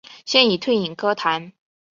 现已退隐歌坛。